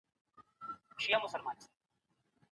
موږ باید ورو پاتې نه شو.